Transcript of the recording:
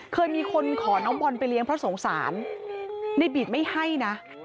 เคยมีคนขอน้องบอลไปเลี้ยงเพราะสงสารในบีดไม่ให้นะ